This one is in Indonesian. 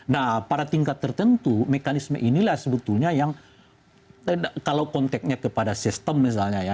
nah pada tingkat tertentu mekanisme inilah sebetulnya yang kalau konteknya kepada sistem misalnya ya